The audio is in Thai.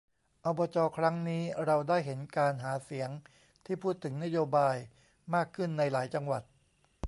อบจ ครั้งนี้ เราได้เห็นการหาเสียงที่พูดถึงนโยบายมากขึ้นในหลายจังหวัด